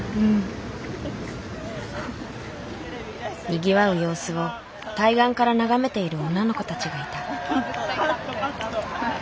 にぎわう様子を対岸から眺めている女の子たちがいた。